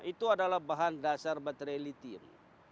itu adalah bahan dasar baterai litium